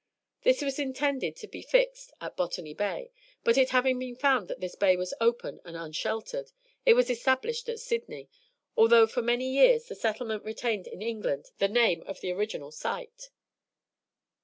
This was intended to be fixed at Botany Bay, but it having been found that this bay was open and unsheltered, it was established at Sydney, although for many years the settlement retained in England the name of the original site.